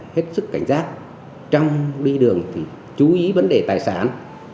hết sức cảnh giác trong đi đường thì chú ý vấn đề tài sản